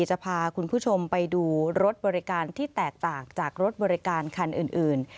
จะพาคุณผู้ชมไปดูรถบริการที่แตกต่างจากรถบริการคันอื่น